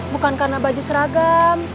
bukan karena baju seragam